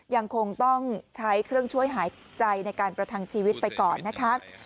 ยังคงต้องใช้เครื่องช่วยหายใจในการประทังชีวิตไปก่อนนะคะ